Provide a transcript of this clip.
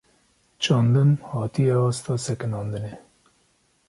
Çandin, hatiye asta sekinandinê